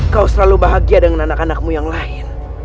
kau selalu bahagia dengan anak anakmu yang lain